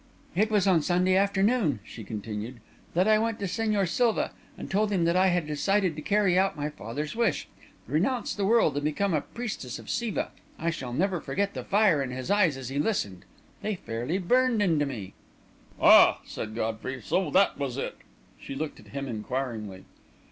"It was on Sunday afternoon," she continued, "that I went to Señor Silva and told him that I had decided to carry out my father's wish, renounce the world, and become a priestess of Siva. I shall never forget the fire in his eyes as he listened they fairly burned into me." "Ah!" said Godfrey. "So that was it!" She looked at him inquiringly.